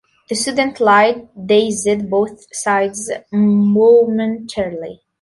The sudden light dazed both sides momentarily.